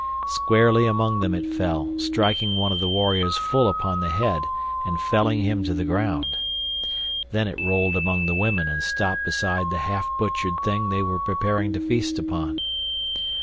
Squarely among them it fell, striking one of the warriors full upon the head and felling him to the ground. Then it rolled among the women and stopped beside the half butchered thing they were preparing to feast upon.